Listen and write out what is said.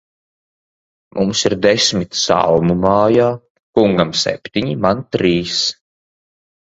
Mums ir desmit salmu mājā; kungam septiņi, man trīs.